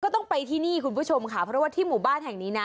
ต้องไปที่นี่คุณผู้ชมค่ะเพราะว่าที่หมู่บ้านแห่งนี้นะ